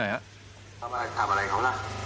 ถามอะไรถามอะไรครับ